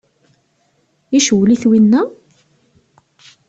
Icewwel-it winna?